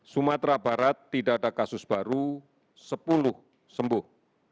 sumatera barat tidak ada kasus baru sepuluh sembuh